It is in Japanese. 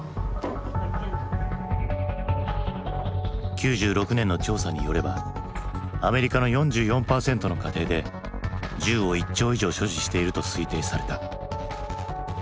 ９６年の調査によればアメリカの４４％の家庭で銃を１丁以上所持していると推定された。